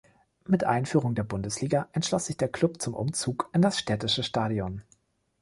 Mit Einführung der Bundesliga entschloss sich der Club zum Umzug in das Städtische Stadion.